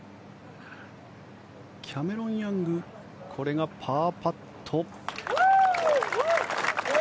キャメロン・ヤングこれがパーパット。